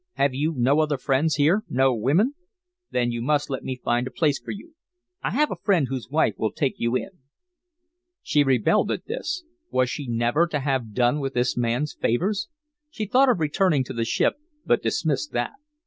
Have you no other friends here no women? Then you must let me find a place for you. I have a friend whose wife will take you in." She rebelled at this. Was she never to have done with this man's favors? She thought of returning to the ship, but dismissed that.